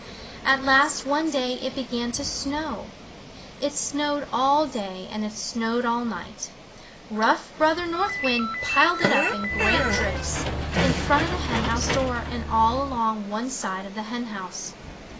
At last one day it began to snow. It snowed all day and it snowed all night. Rough Brother North Wind piled it up in great drifts in front of the hen house door and all along one side of the hen house.